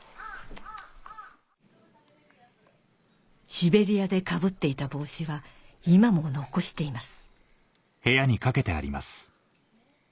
シベリアでかぶっていた帽子は今も残しています